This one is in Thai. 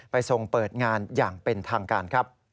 ไปทรงเปิดงานอย่างเป็นทางการ